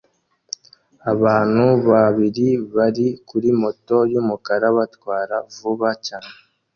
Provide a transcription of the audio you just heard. Abantu babiri bari kuri moto yumukara batwara vuba cyane